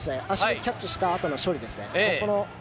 キャッチしたあとの処理ですね。